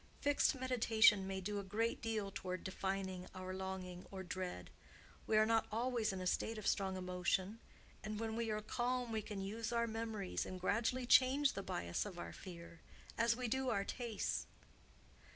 Fixed meditation may do a great deal toward defining our longing or dread. We are not always in a state of strong emotion, and when we are calm we can use our memories and gradually change the bias of our fear, as we do our tastes.